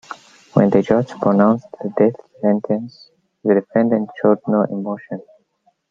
When the judge pronounced the death sentence, the defendant showed no emotion.